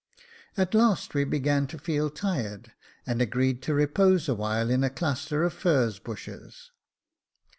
At last we began to feel tired, and agreed to repose a while in a cluster of furze bushes.